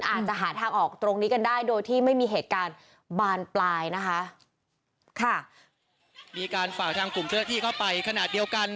อาจจะหาทางออกตรงนี้กันได้โดยที่ไม่มีเหตุการณ์บานปลายนะคะค่ะมีการฝากทางกลุ่มเจ้าหน้าที่เข้าไปขณะเดียวกัน